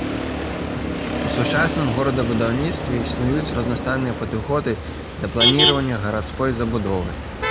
У сучасным горадабудаўніцтве існуюць разнастайныя падыходы да планіравання гарадской забудовы.